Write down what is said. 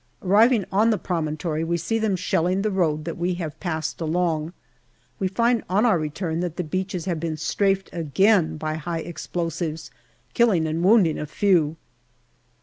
Arriving on the promontory, we see them shelling the road that we have passed along. We find on our return that the beaches had been " strafed " again by high explosives, killing and wounding a few.